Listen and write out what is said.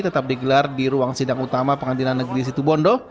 tetap digelar di ruang sidang utama pengadilan negeri situbondo